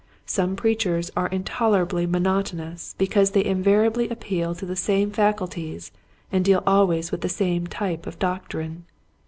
Some preachers are intolerably monotonous because they in variably appeal to the same faculties and deal always with the same type of doc trine.